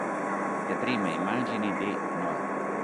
Le prime immagini di "No.